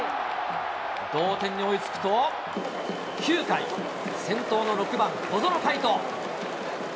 同点に追いつくと、９回、先頭の６番小園海斗。